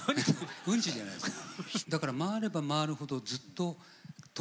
うんちじゃないですよ。